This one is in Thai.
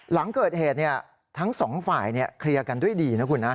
หลังเกิดเหตุทั้งสองฝ่ายเคลียร์กันด้วยดีนะคุณนะ